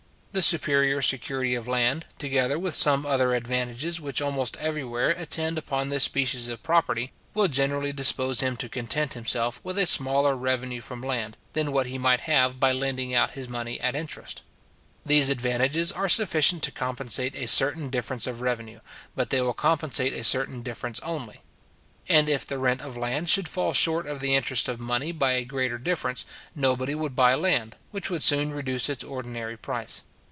The superior security of land, together with some other advantages which almost everywhere attend upon this species of property, will generally dispose him to content himself with a smaller revenue from land, than what he might have by lending out his money at interest. These advantages are sufficient to compensate a certain difference of revenue; but they will compensate a certain difference only; and if the rent of land should fall short of the interest of money by a greater difference, nobody would buy land, which would soon reduce its ordinary price.